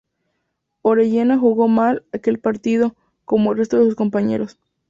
Orellana jugó mal aquel partido, como el resto de sus compañeros.